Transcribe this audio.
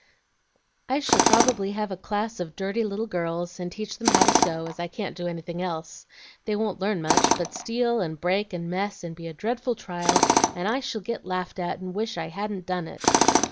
"I shall probably have a class of dirty little girls, and teach them how to sew, as I can't do anything else. They won't learn much, but steal, and break, and mess, and be a dreadful trial, and I shall get laughed at and wish I hadn't done it.